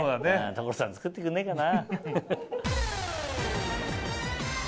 所さん作ってくんねえかな。